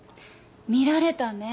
見られたね。